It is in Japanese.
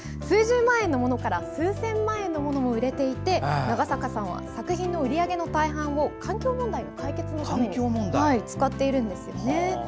数十万円のものから数千万円ものも売れていて長坂さんは作品の売り上げの大半を環境問題の解決のために使っているんですよね。